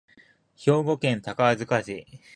兵庫県宝塚市